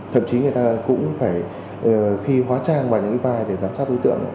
thậm chí người ta cũng phải khi hóa trang vào những cái vai để giám sát đối tượng